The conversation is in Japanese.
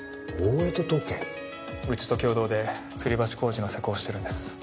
うちと共同でつり橋工事の施工をしてるんです。